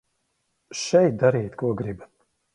Šeit dariet, ko gribat.